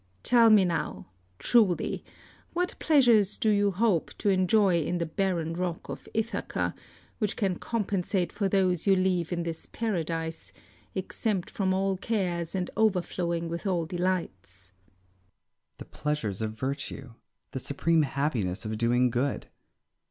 Tell me now, truly, what pleasures you hope to enjoy in the barren rock of Ithaca, which can compensate for those you leave in this paradise, exempt from all cares and overflowing with all delights? Ulysses. The pleasures of virtue; the supreme happiness of doing good.